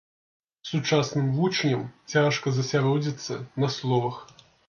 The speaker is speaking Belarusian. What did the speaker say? Сучасным вучням цяжка засяродзіцца на словах.